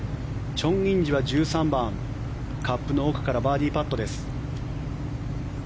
チョン・インジは１３番カップの奥からバーディーパットです。